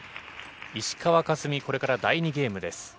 石川佳純、これから第２ゲームです。